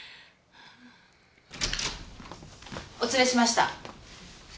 お連れしました。